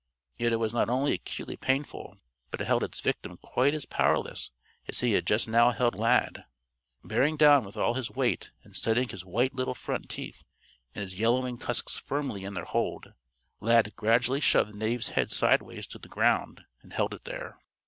Yet it was not only acutely painful, but it held its victim quite as powerless as he had just now held Lad. Bearing down with all his weight and setting his white little front teeth and his yellowing tusks firmly in their hold, Lad gradually shoved Knave's head sideways to the ground and held it there.